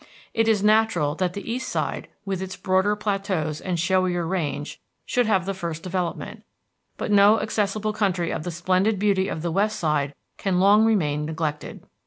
It is natural that the east side, with its broader plateaus and showier range, should have the first development, but no accessible country of the splendid beauty of the west side can long remain neglected.